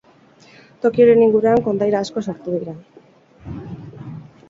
Toki horien inguruan kondaira asko sortu dira.